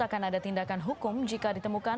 akan ada tindakan hukum jika ditemukan